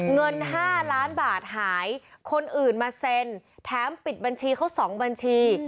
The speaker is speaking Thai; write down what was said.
เงิน๕ล้านบาทหายคนอื่นมาเซ็นแถมปิดบัญชีเขา๒บัญชี